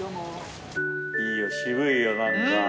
いいよ渋いよなんか。